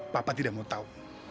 papa tidak mau tahu